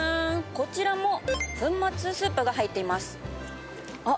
こちらも粉末スープが入っていますあっ